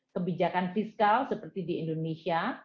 kebijakan fiskal seperti di indonesia